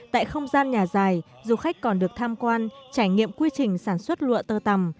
tại không gian nhà dài du khách còn được tham quan trải nghiệm quy trình sản xuất lụa tơ tầm